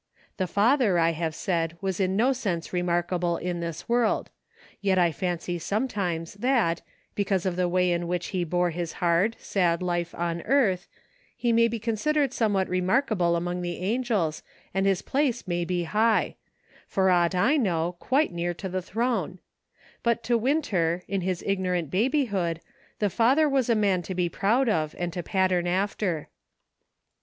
The father, I have said, was in no sense remarkable in this world ; yet I fancy sometimes that, because of the way in which he bore his hard, sad life on earth, he may be con sidered somewhat remarkable among the angels, and his place may be high ; for aught I know, quite near to the throne ; but to Winter, in his ignorant babyhood, the father was a man to be proud of and to pattern after.